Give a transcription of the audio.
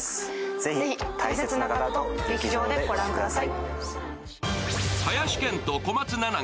ぜひ大切な方と劇場で御覧ください。